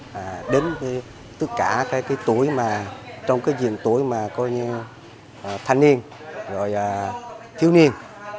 chúng tôi sẽ đến tất cả những tuổi trong những tuổi thân niên thiếu niên